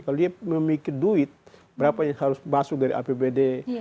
kalau dia memiliki duit berapa yang harus masuk dari apbd